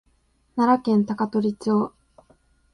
奈良県高取町